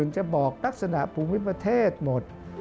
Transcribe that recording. จะบอกลักษณะภูมิประเทศหมด